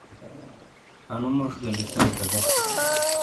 انو موش گہ لکھیم چکے۔